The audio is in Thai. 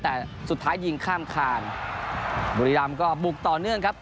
แต่สุดท้ายยิงข้ามคานบุรีรำก็บุกต่อเนื่องครับ